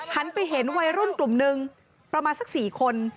หันไปเห็นวัยรุ่นกลุ่มนึงประมาณสัก๔คน